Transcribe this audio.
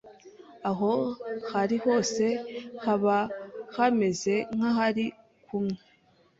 aho bari hose baba bameze nk’abari kumwe